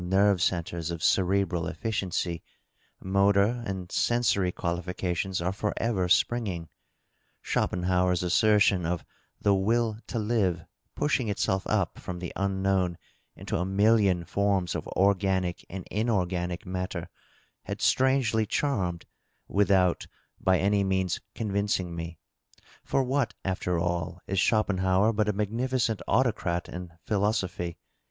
663 nerve centres of cerebral efficiencv, motor and sensory analifications are forever springing. Schopenhauer s assertion of the " will to live" push ing itself up from the unknown into a million forms of organic and inorganic matter had strangely charmed without by any means con vincing me; for what, after all, is Schopenhauer but a magnificent autocrat in philosophy?